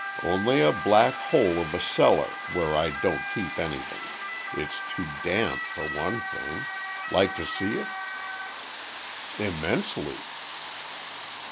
"Only a black hole of a cellar, where I don't keep anything. It's too damp, for one thing. Like to see it?" "Immensely."